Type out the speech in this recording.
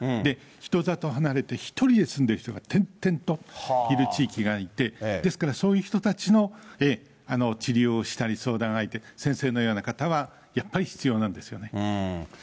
人里離れて１人で住んでいる人が点々といる地域がいて、ですからそういう人たちの治療をしたり相談相手、先生のような方はやっぱり必要なんですよね。